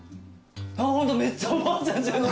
ホントめっちゃおばあちゃんちの匂いする。